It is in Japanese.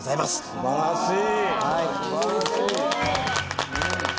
すばらしい！